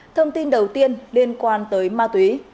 thông tin đầu tiên liên quan tới ma túy